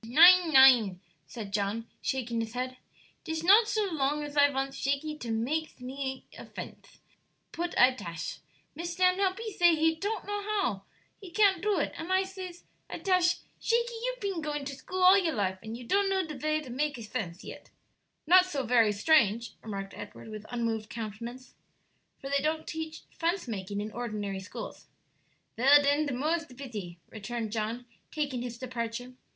"Nein, nein," said John, shaking his head; "'tis not so long as I vants Shakey to makes mit me a fence; put I tash! Miss Stanhope, he say he ton't can know how to do it; and I says, 'I tash! Shakey, you peen goin' to school all your life, and you don't know de vay to makes a fence yet.'" "Not so very strange," remarked Edward, with unmoved countenance, "for they don't teach fence making in ordinary schools." "Vell, den, de more's de bity," returned John, taking his departure.